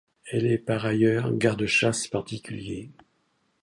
Elle est par ailleurs garde-chasse particulier.